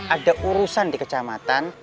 ada urusan di kecamatan